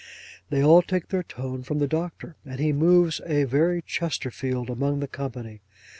They all take their tone from the Doctor; and he moves a very Chesterfield among the company.